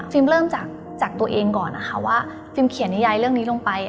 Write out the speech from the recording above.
เริ่มจากตัวเองก่อนนะคะว่าฟิล์มเขียนนิยายเรื่องนี้ลงไป